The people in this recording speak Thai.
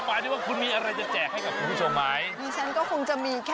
พี่อยากจะบอกให้เพราะว่าก็อยากจะขอสัก๕บาท๑๐บาทเป็นกำลังใจค่ะ